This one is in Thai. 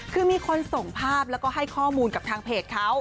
คือมีคนส่งภาพแล้วก็ให้ข้อมูลกับทางเพจเขา